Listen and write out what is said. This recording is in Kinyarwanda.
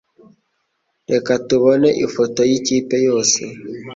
Reka tubone ifoto yikipe yose.